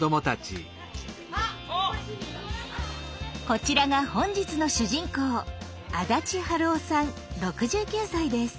こちらが本日の主人公安達春雄さん６９歳です。